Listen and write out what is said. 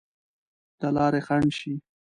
د لارې خنډ شي.